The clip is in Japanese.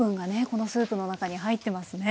このスープの中に入ってますね。